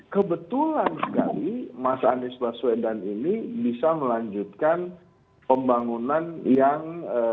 kebetulan sekali mas anies baswedan ini bisa melanjutkan pembangunan yang